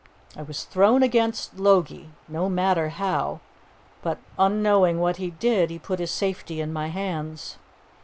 I was thrown against Logie no matter how but, unknowing what he did, he put his safety in my hands.